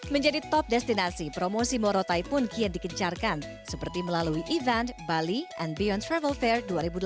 menjadi top destinasi promosi morotai pun kian dikencarkan seperti melalui event bali and beyond travel fair dua ribu delapan belas